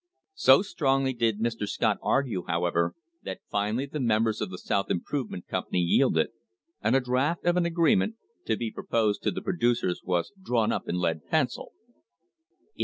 So strongly did Mr. Scott argue, however, that finally the members of the South Improvement Company yielded, and a draft of an agreement, to be pro posed to the producers, was drawn up in lead pencil; it was THOMAS A.